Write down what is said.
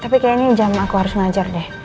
tapi kayaknya ini jam aku harus belajar deh